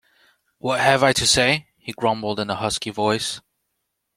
"What have I to say?" he grumbled in a husky voice.